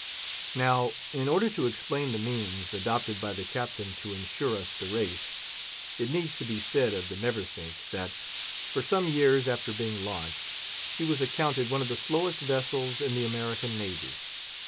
Now, in order to explain the means adopted by the Captain to insure us the race, it needs to be said of the Neversink, that, for some years after being launched, she was accounted one of the slowest vessels in the American Navy.